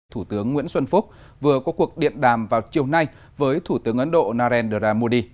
thủ tướng nguyễn xuân phúc vừa có cuộc điện đàm vào chiều nay với thủ tướng ấn độ narendra modi